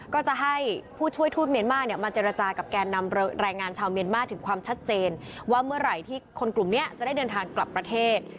ก็จะให้ผู้ช่วยทูตเมียนมาร์เนี่ยมาเจรจากับแกนนำแรงงานชาวเมียนมาร์ถึงความชัดเจนว่าเมื่อไหร่ที่คนกลุ่มนี้จะได้เดินทางกลับประเทศ